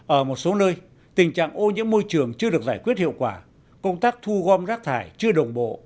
ở một số nơi tình trạng ô nhiễm môi trường chưa được giải quyết hiệu quả công tác thu gom rác thải chưa đồng bộ